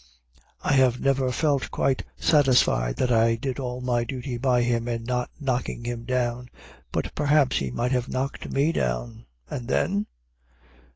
I have never felt quite satisfied that I did all my duty by him in not knocking him down. But perhaps he might have knocked me down, and then?